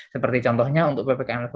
seperti contohnya untuk ppkm level tiga